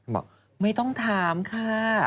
บอกไม่ต้องถามค่ะ